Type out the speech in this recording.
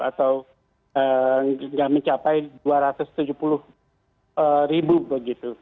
atau yang mencapai dua ratus tujuh puluh ribu begitu